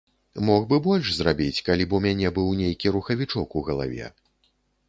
Мог бы больш зрабіць, калі б у мяне быў нейкі рухавічок у галаве.